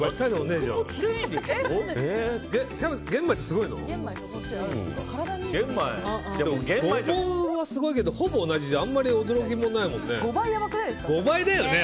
ゴボウはすごいけどほぼ同じじゃあんまり驚きないもんね。